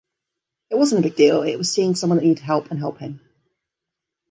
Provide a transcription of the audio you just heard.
It wasn't a big deal; it was seeing someone that needed help and helping.